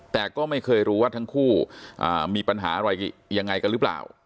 แต่ก็ไม่เคยรู้ว่าทั้งคู่มีปัญหาอะไรยังไงกันหรือเปล่า